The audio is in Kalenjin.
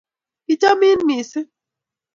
kichomin mising